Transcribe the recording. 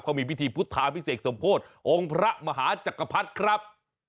เขามีพิธีพุทธาพิเศษสมโพธิองค์พระมหาจักรพรรดิครับ